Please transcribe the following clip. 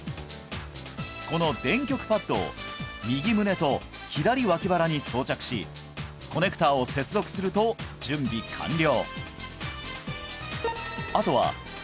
この電極パッドを右胸と左脇腹に装着しコネクターを接続すると準備完了